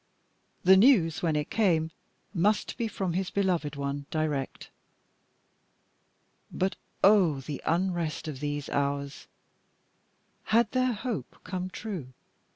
The news, when it came, must be from his beloved one direct. But oh! the unrest of these hours. Had their hope come true?